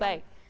tapi ini kan